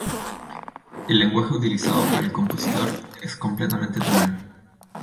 El lenguaje utilizado por el compositor es completamente tonal.